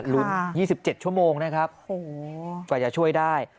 ลุ้น๒๗ชั่วโมงนะครับกว่าจะช่วยได้